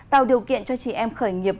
tạo điều kiện cho chị em khởi nghiệp